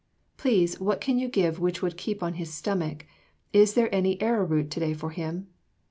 "Please, what can I give which would keep on his stomach; is there any arrowroot to day for him?"